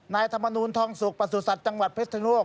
นายธรรมนูลทองสุกประสุทธิ์จังหวัดเพชรโลก